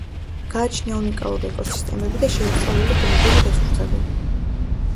გააჩნია უნიკალური ეკოსისტემები და შეუსწავლელი ბუნებრივი რესურსები.